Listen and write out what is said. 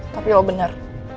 tapi lo bener